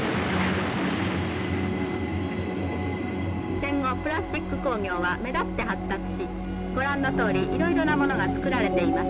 「戦後プラスチック工業は目立って発達しご覧のとおりいろいろなものが作られています」。